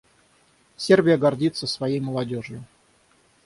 Сербия гордится своей молодежью.